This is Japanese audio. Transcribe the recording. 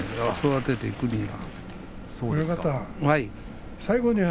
育てていくのは。